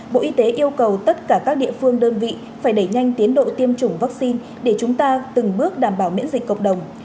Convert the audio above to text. bộ y tế yêu cầu tất cả các địa phương đơn vị phải đẩy nhanh tiến độ tiêm chủng vaccine để chúng ta từng bước đảm bảo miễn dịch cộng đồng